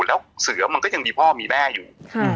แล้วเสือมันก็ยังมีพ่อมีแม่อยู่